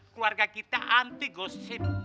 keluarga kita anti gosip